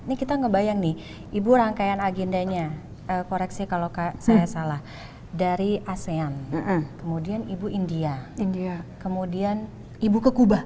ini kita ngebayang nih ibu rangkaian agendanya koreksi kalau saya salah dari asean kemudian ibu india india kemudian ibu ke kuba